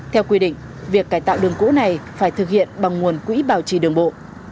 theo quy định việc cải tạo đường cũ này phải thực hiện bằng nguồn quỹ bảo trì đường bộ